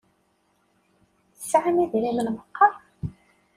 Tesɛamt idrimen meqqar?